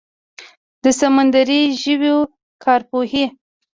د سمندري ژویو کارپوهې